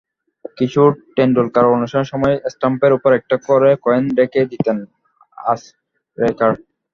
কিশোর টেন্ডুলকার অনুশীলনের সময় স্টাম্পের ওপর একটা করে কয়েন রেখে দিতেন আচরেকার।